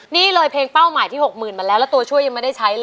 นี่เลยเพลงเป้าหมายที่๖๐๐๐มาแล้วแล้วตัวช่วยยังไม่ได้ใช้เลย